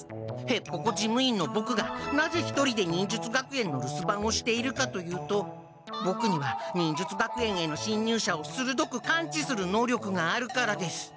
へっぽこ事務員のボクがなぜ一人で忍術学園の留守番をしているかというとボクには忍術学園へのしんにゅう者をするどく感知する能力があるからです。